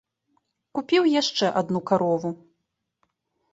Купіў яшчэ адну карову.